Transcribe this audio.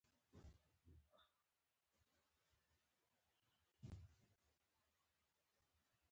دا کټ مټ هماغه توپير دی چې بريالي کسان له ناکامو بېلوي.